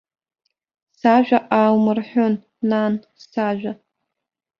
Сажәа ааумырҳәын, нан, сажәа!